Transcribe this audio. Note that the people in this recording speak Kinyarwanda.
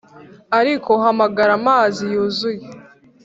ariko hamagara amazi yuzuye.